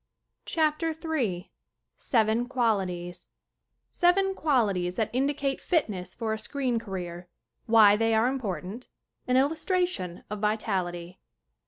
CHAPTER III Seven qualities that indicate fitness for a screen career Why they are important An illus tration of vitality.